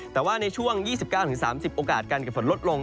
แต่ว่าในช่วง๒๙๓๐โอกาสการเกิดฝนลดลง